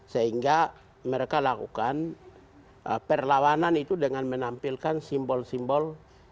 sehingga mereka lakukan perlawanan itu dengan menampilkan simbol simbol